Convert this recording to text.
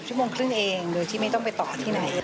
ชั่วโมงครึ่งเองโดยที่ไม่ต้องไปต่อที่ไหน